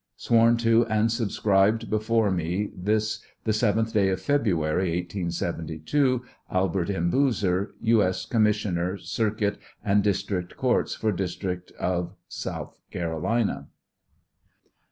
Sworn to and subscribed before me, this the 7th day of February, 1872. ALBERT M. BOOZER, U. S. Commissioner Circuit and District Courts for District of South Carolina.